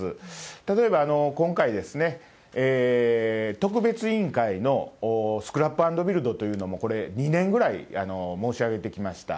例えば今回、特別委員会のスクラップアンドビルドというのも、これ、２年ぐらい申し上げてきました。